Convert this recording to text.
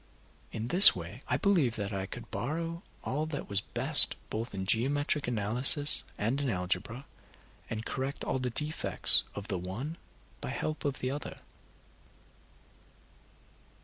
In this way I believed that I could borrow all that was best both in geometrical analysis and in algebra, and correct all the defects of the one by help of the other.